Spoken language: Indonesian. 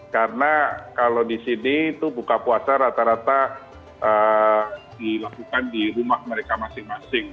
karena kalau di sini itu buka puasa rata rata dilakukan di rumah mereka masing masing